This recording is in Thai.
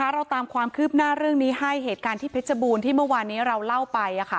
เราตามความคืบหน้าเรื่องนี้ให้เหตุการณ์ที่เพชรบูรณ์ที่เมื่อวานนี้เราเล่าไป